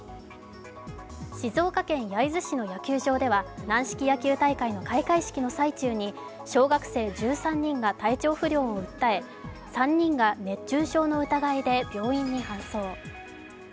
静岡県焼津市の野球場では、軟式野球大会の開会式の最中に、小学生１３人が体調不良を訴え３人が熱中症の疑いで病院に搬送。